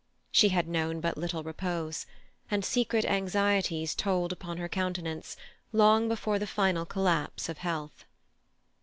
She had known but little repose, and secret anxieties told upon her countenance long before the final collapse of health.